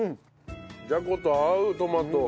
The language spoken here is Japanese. じゃこと合うトマト。